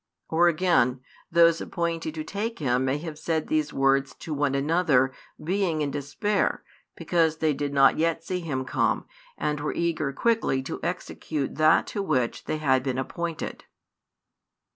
Or again, those appointed to take Him may have said these words to one another, being in despair, because they did not yet see Him come, and were eager quickly to execute that to which they had been appointed.